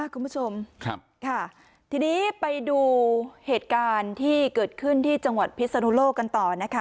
คุณผู้ชมครับค่ะทีนี้ไปดูเหตุการณ์ที่เกิดขึ้นที่จังหวัดพิศนุโลกกันต่อนะคะ